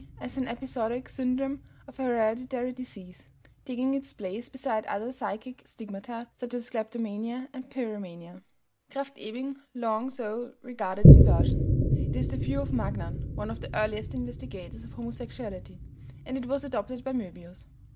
as an episodic syndrome of a hereditary disease, taking its place beside other psychic stigmata, such as kleptomania and pyromania. Krafft Ebing long so regarded inversion; it is the view of Magnan, one of the earliest investigators of homosexuality; and it was adopted by Möbius.